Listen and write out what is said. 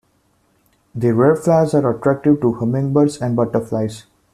The red flowers are attractive to hummingbirds and butterflies.